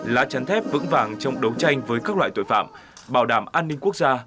lá chắn thép vững vàng trong đấu tranh với các loại tội phạm bảo đảm an ninh quốc gia